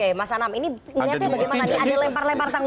oke mas anam ini menurutnya bagaimana ini ada lempar lempar tanggung